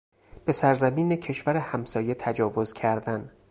به سرزمین کشور همسایه تجاوز کردن